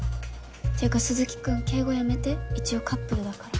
っていうか鈴木君敬語やめて一応カップルだから。